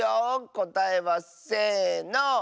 こたえはせの！